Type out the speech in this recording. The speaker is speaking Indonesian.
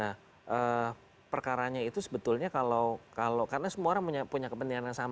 jadi perkaranya itu sebetulnya kalau karena semua orang punya kepentingan yang sama